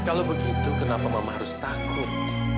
kalau begitu kenapa mama harus takut